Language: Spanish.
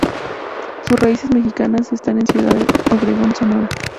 Sus raíces mexicanas están en Ciudad Obregón, Sonora.